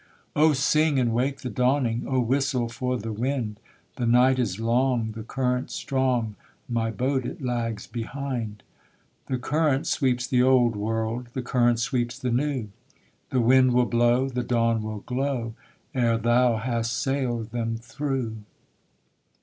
'Oh sing, and wake the dawning Oh whistle for the wind; The night is long, the current strong, My boat it lags behind.' 'The current sweeps the old world, The current sweeps the new; The wind will blow, the dawn will glow Ere thou hast sailed them through.'